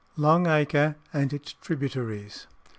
LONG ACRE AND ITS TRIBUTARIES.